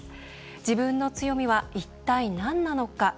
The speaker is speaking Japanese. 自分の強みは一体、なんなのか。